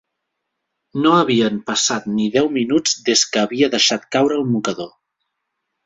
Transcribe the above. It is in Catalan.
No havien passat ni deu minuts des que havia deixat caure el mocador.